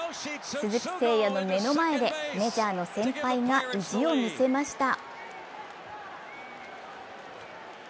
鈴木誠也の目の前でメジャーの先輩が意地を見せました。